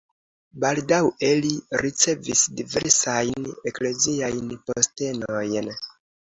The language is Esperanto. Baldaŭe li ricevis diversajn ekleziajn postenojn.